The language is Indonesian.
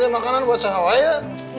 makanan buat sahabat ya